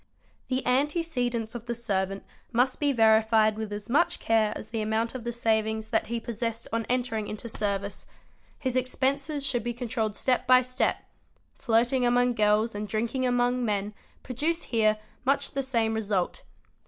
The antecedents of the servant must be verified with as much care as the amount of the savings that he possessed on entering into service 5 DOMESTIC THEFTS 758 his expenses should be controlled step by step; flirting among girls and drinking among men produce here much the same result.